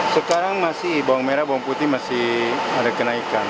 sekarang masih bawang merah bawang putih masih ada kenaikan